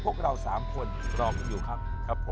พวกเราสามคนรอมันอยู่ครับ